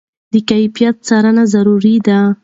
د کیفیت څارنه ضروري ده.